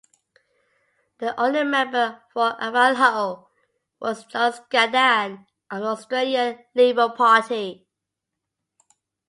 The only Member for Ivanhoe was John Scaddan of the Australian Labor Party.